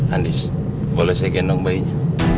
andis boleh saya ganteng bayinya